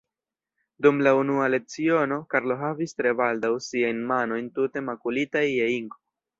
Dum la unua leciono, Karlo havis tre baldaŭ siajn manojn tute makulitaj je inko.